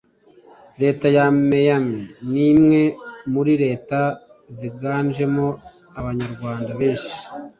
Leta ya Maine ni imwe mu Leta ziganjemo Abanyarwanda benshi